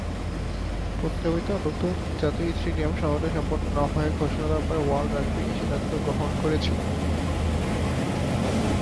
প্রস্তাবিত নতুন জাতীয় স্টেডিয়াম সময়মতো সম্পন্ন না হওয়ার ঘোষণা দেওয়ার পরে ওয়ার্ল্ড রাগবি এই সিদ্ধান্ত গ্রহণ করেছিল।